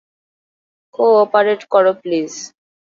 Cooperate করো please.